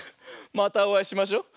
またおあいしましょう。